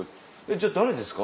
「じゃあ誰ですか？